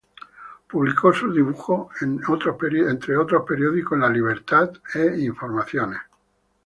Publicó sus dibujos entre otros periódicos en "La Libertad" e "Informaciones".